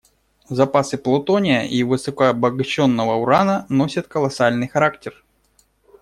Запасы плутония и высокообогащенного урана носят колоссальный характер.